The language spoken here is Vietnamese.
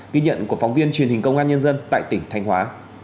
ghi nhận của phóng viên truyền hình công an nhân dân tại tỉnh thanh hóa